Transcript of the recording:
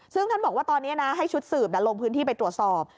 ซึ่งท่านบอกว่าตอนนี้นะให้ชุดสืบลงพื้นที่ไปตรวจสอบ